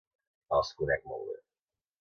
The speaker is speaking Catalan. Els conec molt bé.